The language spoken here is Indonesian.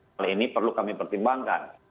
hal ini perlu kami pertimbangkan